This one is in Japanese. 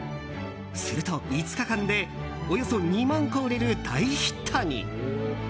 すると５日間でおよそ２万個売れる大ヒットに。